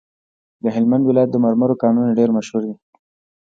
د هلمند ولایت د مرمرو کانونه ډیر مشهور دي.